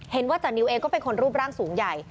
จานิวเองก็เป็นคนรูปร่างสูงใหญ่